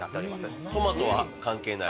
トマトは関係ない？